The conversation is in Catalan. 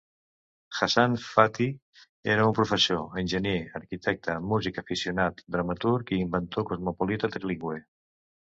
Hassan Fathy era un professor-enginyer-arquitecte, músic aficionat, dramaturg i inventor cosmopolita trilingüe.